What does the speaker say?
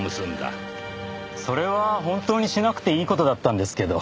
それは本当にしなくていい事だったんですけど。